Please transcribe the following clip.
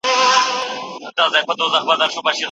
شاوخوا درې زره